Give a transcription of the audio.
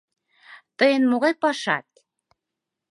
— Тыйын могай пашат?